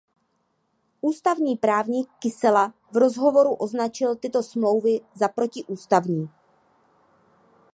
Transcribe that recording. Ústavní právník Kysela v rozhovoru označil tyto smlouvy za protiústavní.